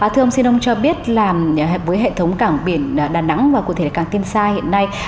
thưa ông xin ông cho biết là với hệ thống cảng biển đà nẵng và cụ thể là cảng tiên sa hiện nay